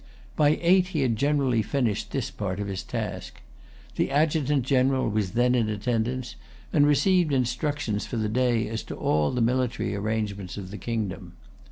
By eight he had generally finished this part of his task. The adjutant general was then in attendance, and received instructions for the day as to all the military arrangements of the kingdom.